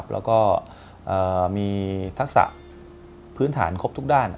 แล้วก็มีทักษะพื้นฐานครบทุกด้าน